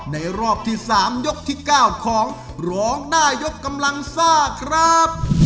รอบที่๓ยกที่๙ของร้องได้ยกกำลังซ่าครับ